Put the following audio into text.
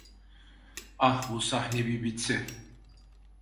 Ah, bu sahne bir bitse…